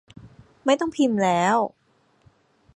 ไม่ต้องพิมพ์แล้ว